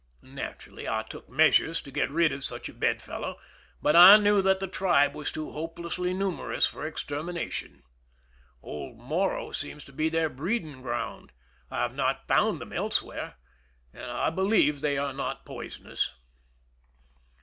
Naturally I took measures to get rid of such a bed fellow, but I knew that the tribe was too hopelessly numerous for extermination. Old Morro seems to be their breeding ground ; I have not found them elsewhere, and I believe they are not poisonous.